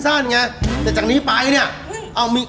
แต่จากนี้ไปเนี่ย